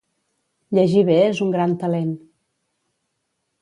Llegir bé és un gran talent